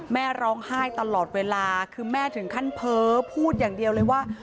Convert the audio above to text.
แม่ร้องไห้ตลอดเวลาคือแม่ถึงขั้นเพ้อพูดอย่างเดียวเลยว่า